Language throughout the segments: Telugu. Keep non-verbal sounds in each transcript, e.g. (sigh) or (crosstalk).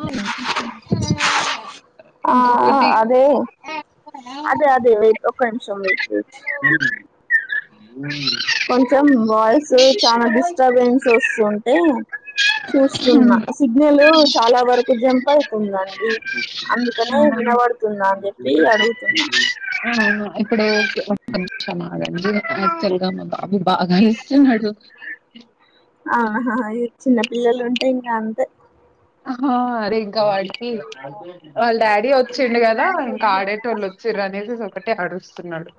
ఆ ఆ అ ఇంకొకటి అదే అదే అదే వె ఒక్క నిమిషం వెయిట్ కొంచెం వాయిస్ చాలా డిస్టర్బెన్స్ వస్తుంటే చూస్తున్నా సిగ్నలు చాలా వరకు జంప్ అవుతుందండి అందుకనే వినబడుతుందా అని చెప్పి అడుగుతున్నా అ అ ఇపుడు ఒక నిమిషం ఆగండి అ తెలుగామ్బ అబి బాగా అరుస్తున్నాడు ఆహహా చిన్న పిల్లలుంటే ఇంకా అంతే అహా అరే ఇక వాడికి వాళ్ డాడీ వచ్చిండు కదా ఇంకా ఆడేటోళ్ళు వచ్చిర్రు అనేసి ఒకటే అడుస్తున్నాడు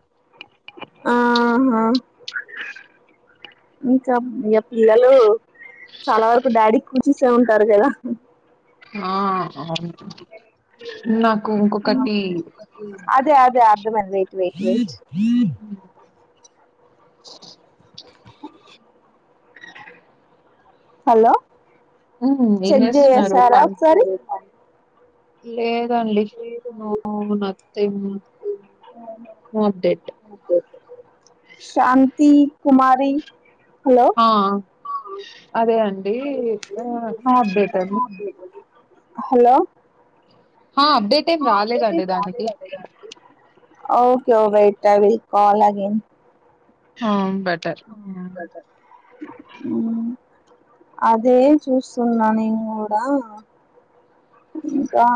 ఆహా ఇంకా ఇగ పిల్లలు చాలా వరకు డాడీ కుచిసే ఉంటారు కదా ఆ అవును నాకు ఇంకొకటి అదే అదే అర్థమైంది వెయిట్ చేస్ ఉ హలో ఉమ్, ఏం చెక్ చేస్తున్నారు జేసారా ఒకసారి లేద్ దండి no nothing no update Shanti Kumari hello ఆ ఆ అదే అండి ఆ అప్డేట్ అండి హలో హా అప్డేట్ ఏం రాలేదండి దానికి okay oh bye I will call again హ బటర్ అదే చూస్తున్నా నేను కూడా ఇంకా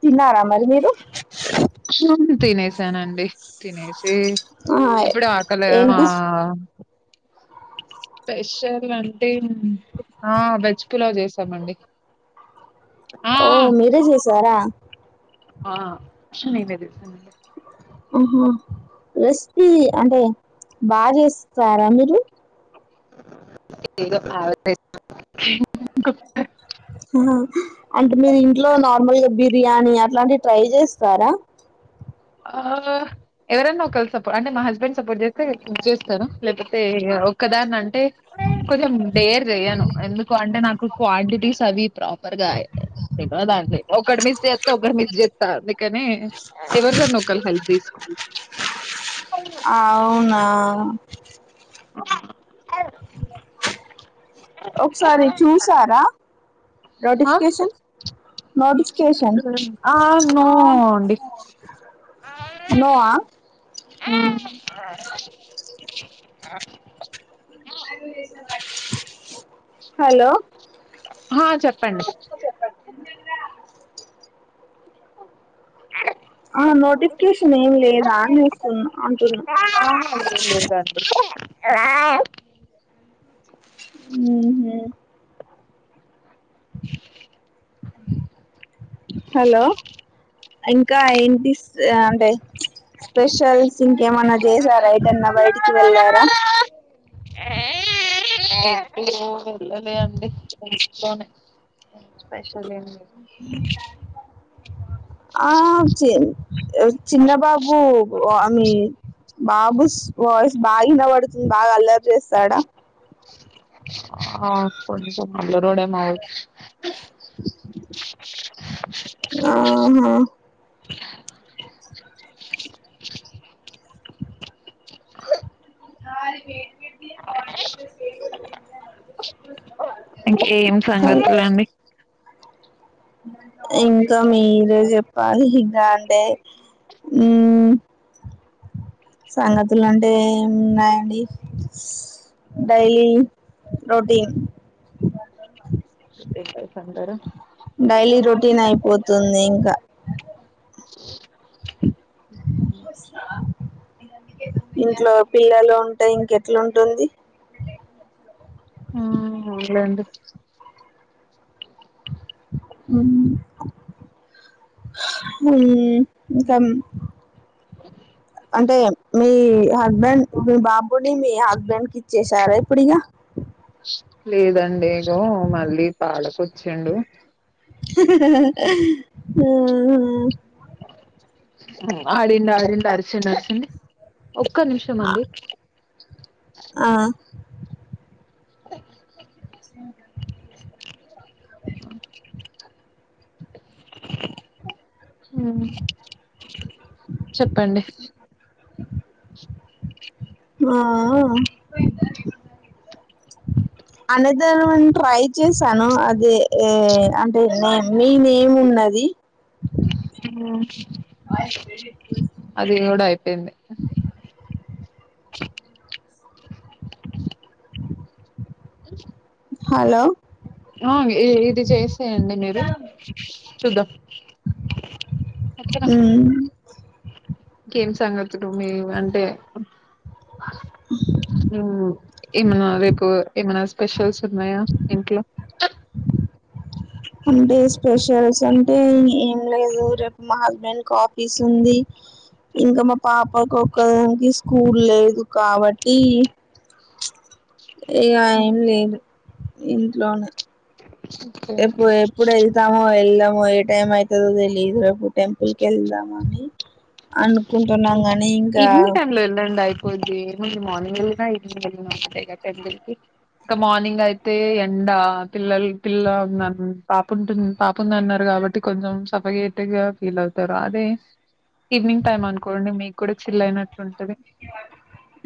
తిన్నారా మరి మీరు తినేసానండి తినేసాను ఆ ఇప్పుడు ఆకలే ఆ ఏంటి స్పెషల్ అంటే ఆ వెజ్కులో చేసామండి ఆ! ఓ మీరే చేసారా ఆ శని ఇదే దవసా నం ఆహ రస్ అంటే భార్య సారా మీరు ఇ అంటే మీరు ఇంట్లో నార్మల్గా బీ బిర్యాని ఇలాంటి ట్రై చేస్తారా ఆ ఎవరైన్నా ఒక సపోర్ట్ అంటే మా హస్బెండ్ సపోర్ట్ చేస్తే చేస్తారు లేకపోతే కదా అండి అంటే కొంచెం డేర్ చేయను ఎందుకు అంటే నాకు క్వాంటిటీస్ అవి ప్రాపర్ గా అయయిదాం ఒకటి మిస్ చేస్తే ఒక మిస్ చెత్తాందుకనే ఎవరి ద లోకల్ హెల్త్ తీసుకో అవునా ఒకసారి చూసారా ఆ నోటిఫికేషన్ నోటిఫికేషన్ ఆ నో అండి ను ఆ ఆ అ హలో ఆ చెప్పండి చెప్ప ఆ నోటిఫికేషన్ ఏమి లేదా అని చూస్తున్నా అంటున్నా ఆహా ఏం లేదండి ఊహూ హలో ఇంకా ఏంటి అంటే స్పెషల్ ఇంకేమన్నా చేసారా ఎటు ఎటన్నా బయటికి వెళ్ళారా ఎమో వెళ్ళలే అండి ఇంట్లోనే స్పెషల్ ఏమి లేదు ఆ చె చిన్న బాబు ఆ మీ బాబు స్ వాయిస్ బాగా వినపడుతుంది బాగా అల్లరి చేస్తాడా ఆ కొంచం అల్లరోడే మా ఆహా ఆ ఇంక ఏం సంగతులండి ఇంకా మీరే చెప్పాలి ఇంకా అంటే హు సంగతులు అంటే ఏమున్నాయండి డైలీ రొటీన్ ఫ్రెషర్స్ అందరూ డైలీ రొటీన్ అయిపోతుంది ఇంకా ఇంట్లో పిల్లలు ఉంటే ఇంకా ఎట్లాంటుంది ఆ అవునులెండి హు ఊ ఇంకా అంటే మీ హస్బెండ్ మీ బాబుని మీ హస్బెండ్ కి ఇచ్చేసారా ఇప్పుడు ఇగా లేదండి ఏదో మళ్ళీ పాలకొచ్చిండు అహ ఆడిండు ఆడిండు అరిసిండు అరిసిండు ఒక్క నిమిషం అండి ఆ ఆ హు చెప్పండి, ఆ ఆ అనేధర్ వన్ ట్రై చేసాను అది అంటే నేను నీ నేమ్ ఉన్నది అది కూడా అయిపొయింది పోయింది (unintelligible) హలో ఆ విన్ ఇది చేసేయండి మీరు చూద్దాం అర్చన (inaudible) ఇంకేం సంగతులు మీ అంటే ఏమన్న రేపు ఏమైనా స్పెషల్స్ ఉన్నాయా ఇంట్లో అంటే స్పెషల్స్ అంటే ఏం లేదు రేపు మా హస్బెండ్ కాఫీస్ ఉంది ఇంక మా పాపకు ఒక్కదానికి స్కూల్ లేదు కాబట్టి చుప్ ఇగ ఏం లేదు ఇంట్లోనే ఓకేనా. ఎప్పుడు ఎప్పుడు ఎళ్తామో ఎళ్ళం ఏ టైం అయితదో తెలీదు రేపు టెంపుల్ కెళ్దాం అని ఈవినింగ్ టైమ్ లో వెళ్ళండి అయిపోద్దిది మార్నింగ్ వెళ్ళిన ఈవినింగ్ వెళ్లీ టెంపుల్ కి ఇంకా మార్నింగ్ అయితే ఎండ పిల్లల్ పిల్ల ఉమ్ పాపుంటుంది పాపుంద అన్నారు కాబట్టి కొంచెం సఫారేటుగా ఫీల్ అవుతారు అదే (unintelligible) ఈవినింగ్ టైమ్ అనుకోండి మీకు కూడా చిల్ అయినట్టు ఉంటుంది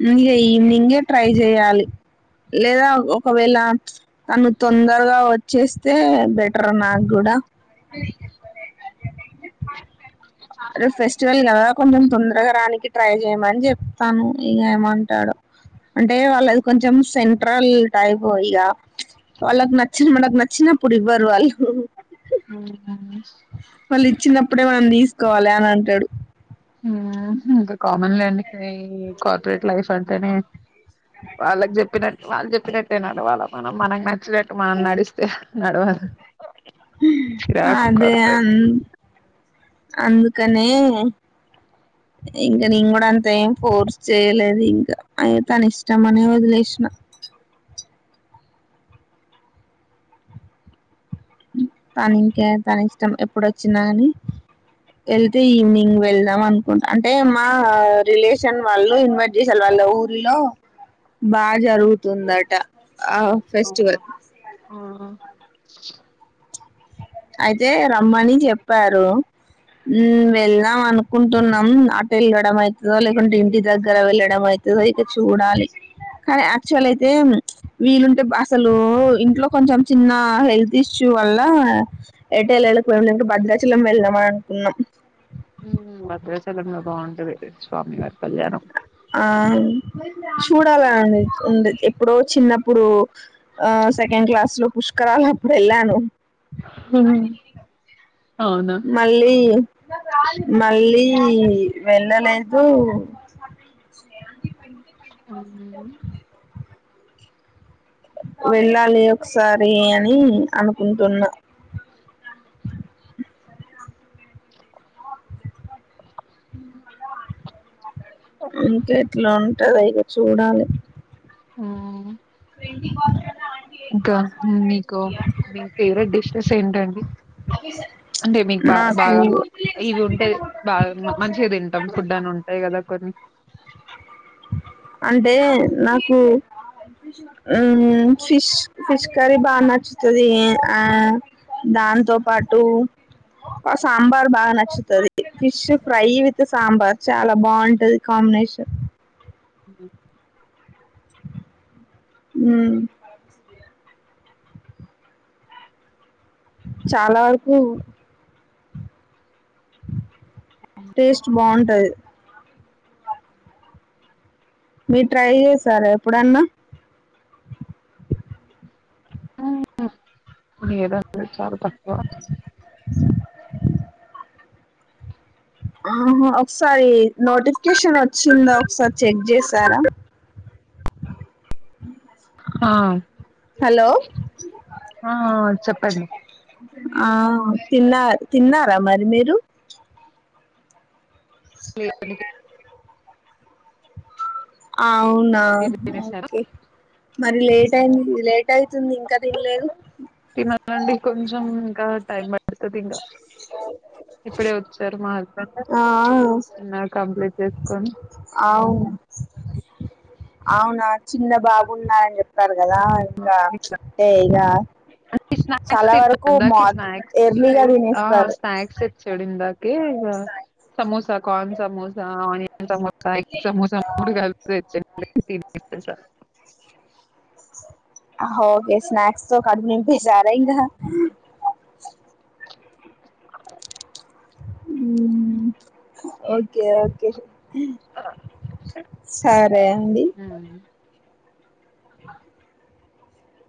ఇగ ఈవినింగే ట్రై చేయాలి లేదా ఒకవేళ తను తొందరగా వచ్చేస్తే బెటర్ నాకు కూడా రోజు ఫెస్టివల్ కదా కొంచెం తొందరగా రానికి ట్రై చేయమని చెప్తాను ఇగ ఏమంటాడో అంటే వాళ్ళది కొంచెం సెంట్రల్ టైప్ ఇగ వాళ్ళకి నచ్చిన మనకి నచ్చినప్పుడు ఇవ్వరు వాళ్ళు హు హు అ వాళ్ళు ఇచ్చినప్పుడే మనం తీస్ కోవాల అని అంటడు ఉమ్ ఇంకా కామన్ లెండి ఈ కార్పొరేట్ లైఫ్ అంటేనే వాళ్ళకి చెప్పినట్ వాళ్ళు చెప్పినట్టే నడువాల మనం మనకు నచ్చినట్టు మనం నడిస్తే నడవదు హూ చిరాకు అదే కరువు అందు అందుకు క్కనే ఇంక నేను కూడా అంత ఏం ఫోర్స్ చేయలేదు ఇంకా అయి తన ఇష్టం అనే వదిలేసిన తను ఇంకా తన ఇష్టం ఎప్పుడోచ్చినా కాని వెళ్తే ఈవినింగ్ వెళ్దాం అనుకుంటా, అంటే మా రిలేషన్ వాళ్ళు ఇన్వైట్ చేసారు వాళ్ళ ఊరిలో బాగా జరుగుతుందట. ఆ ఫెస్టివల్ అ అయితే రమ్మని చెప్పారు ఉమ్ వెళ్దాం అనుకుంటున్నాం. అట్ వెళ్ళడం అవుతుందో లేకుంటే ఇంటి దగ్గర వెళ్ళడం అవుతుదో ఇక చూడాలి, కానీ యాక్చువల్ అయితే వీలుంటే అసలు ఇంట్లో కొంచెం చిన్న హెల్త్ ఇష్యూ వల్ల ఏటళ్లళ్ళలకున్న భద్రాచలం వెళ్దామని అనుకున్నాం. (inaudible) ఉమ్ భద్రాచలంలో బాగుంటది స్వామి వారు ఆ చూడాలాని ఉంది ఎప్పుడో చిన్నప్పుడు ఆ సెకండ్ క్లాస్ లో పుష్కరాలు అప్పుడు వెళ్ళాను హ మల్లిీ మల్లి ఈ వెళ్ళలేదు అ వెళ్ళాలి ఒకసారి అని అనుకుంటున్నా ఇంకెట్ల ట్టదైగాచూడాలి ఆ ఇంకా మీకు మీ ఫేవరెట్ డిషెస్ ఏంటండి అండి మీకు బా నాకు బాగా ఇవి ఉంటే బాగా మంచిగా తింటాం ఫుడ్ అని ఉంటాయి కదా కొన్ని అంటే నాకు ఊ ఫిష్ ఫిష్ కర్రీ బాగా నచ్చుతది ఆ దాంతో పాటు ఒక సాంబార్ బాగా నచ్చుతది ఫిష్ ఫ్రై విత్ సాంబార్ చాలా బాగుంటది కాంబినేషన్ ఊ చాలా వరకు టేస్ట్ బాగుంటది మీరు ట్రై చేసారా ఎప్పుడన్నా ఆ లేదండి చాలా తక్కువ ఆహా ఒ సారి నోటిఫికేషన్ వచ్చిందా ఒకసారి చెక్ చేసారా ఆ హలో ఆఆ చెప్పండి ఆ తిన్న తిన్నారా మరి మీరు లే (unintelligible) ఆప అవునా తినేసారా ఓకే మరి లేట్ అయింది లేట్ ఎట్ అవుతుంది ఇంకా తినలేదు టైమ్పడ్టది పడుతది ఇంకా ఇప్పుడే వచ్చారు మా హస్బెండ్ చిన్నగ కంప్లీట్ చేసి ఆవు అవునా చిన్న బాబు ఉన్నారు అనిచెప్ కదా ఇంకా అంటే ఇగ స్నాక్స్ చాలా తిన్నా వరకు మ ఇందాకే స్నాక్స్ ఎర్లీగా తనిస్తారు కే ఇగ samosa cone samosa onion samosa samosa egg samosa మూడు కల్పి తెచుండు తెలుసా హ ఒకే స్నాక్స్ కడుపునిపుంకుంటూ సరే ఇంగా ఊ ఓకే ఓకే సరే అండి